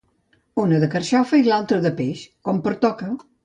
L'una de carxofa i l'altra de peix, com pertoca.